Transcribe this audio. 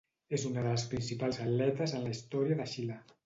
És una de les principals atletes en la història de Xile.